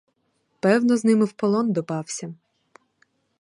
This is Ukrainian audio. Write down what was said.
Певно, з ними в полон допався.